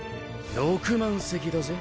６万隻だぜ？